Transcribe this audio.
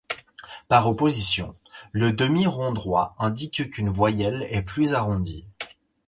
Par opposition, le demi-rond droit indique qu’une voyelle est plus arrondie.